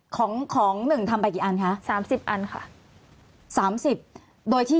ของของหนึ่งทำไปกี่อันคะสามสิบอันค่ะสามสิบโดยที่